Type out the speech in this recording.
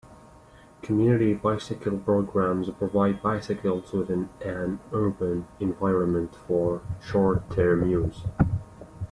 Community bicycle programs provide bicycles within an urban environment for short term use.